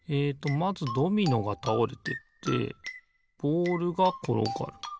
まずドミノがたおれてってボールがころがる。